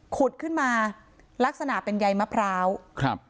ขุดขึ้นมาลักษณะเป็นใยมะพร้าวครับ